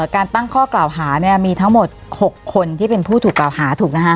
การตั้งข้อกล่าวหามีทั้งหมด๖คนที่เป็นผู้ถูกกล่าวหาถูกนะคะ